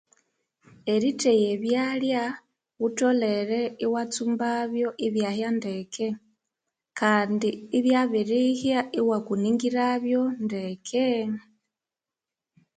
Eriteya ebyalya ghutholere iwatsumbabyo ndeke kandi ibyabirisya iwakunigirabyo ndeke